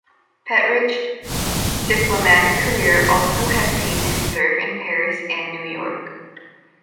Petritsch's diplomatic career also has seen him serve in Paris and New York.